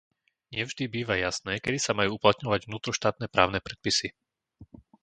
Nie vždy býva jasné, kedy sa majú uplatňovať vnútroštátne právne predpisy.